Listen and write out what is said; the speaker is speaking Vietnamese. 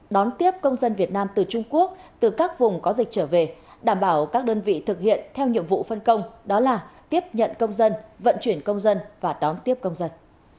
đón tiếp công dân việt nam từ trung quốc từ các vùng có dịch trở về đảm bảo các đơn vị thực hiện theo nhiệm vụ phân công đó là tiếp nhận công dân vận chuyển công dân và đón tiếp công dân